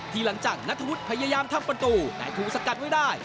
หลังจากนัทธวุฒิพยายามทำประตูแต่ถูกสกัดไว้ได้